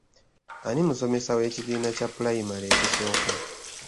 Ani musomesa w'ekibiina kya pulayimale ekisooka?